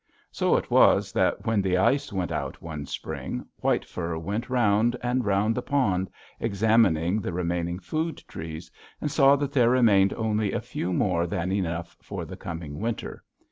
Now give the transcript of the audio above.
So it was that, when the ice went out one spring, White Fur went around and around the pond, examining the remaining food trees, and saw that there remained only a few more than enough for the coming winter.